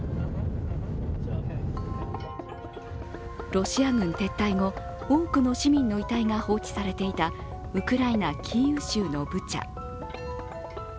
ロシア軍撤退後、多くの市民の遺体が放置されていたウクライナ・キーウ州のブチャ。